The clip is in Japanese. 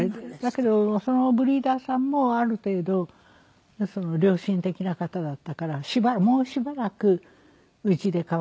だけどそのブリーダーさんもある程度良心的な方だったから「もうしばらくうちで飼わせてください」って。